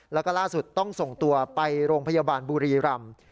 แล้วก็ล่าสุดต้องส่งตัวไปโรงพยาบาลบุรีรำ